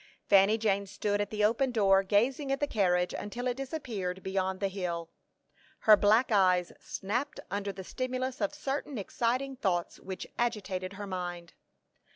Fanny Jane stood at the open door gazing at the carriage until it disappeared beyond the hill. Her black eyes snapped under the stimulus of certain exciting thoughts which agitated her mind.